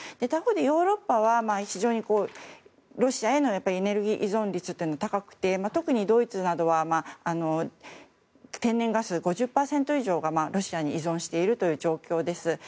他方でヨーロッパは非常にロシアへのエネルギー依存率というのが高くて特にドイツなどは天然ガス５０％以上がロシアに依存している状況です。